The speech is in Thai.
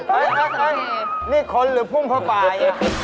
เฮ้ยนี่คนหรือพุ่งผ้าป่าย